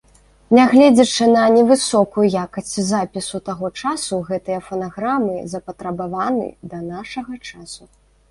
Нягледзячы на невысокую якасць запісу таго часу, гэтыя фанаграмы запатрабаваны да нашага часу.